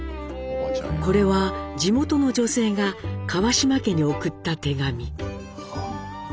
これは地元の女性が川島家に送った手紙。